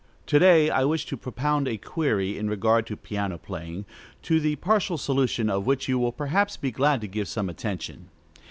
To day I wish to propound a query in regard to piano playing, to the partial solution of which you will perhaps be glad to give some attention.